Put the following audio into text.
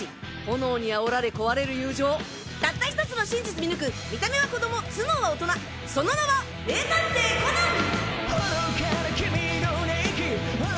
炎にあおられ壊れる友情たった１つの真実見抜く見た目は子供頭脳は大人その名は名探偵コナン！